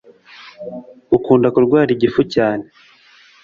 Ukunda kurwara igifu cyane